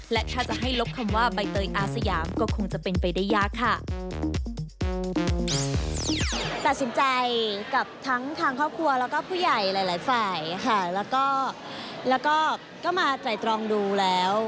แล้วก็มาไตรตรองดูแล้ว